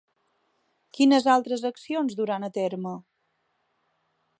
Quines altres accions duran a terme?